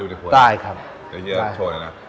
เดี๋ยวคลิปเข้าไปดูในหัวของได้นะ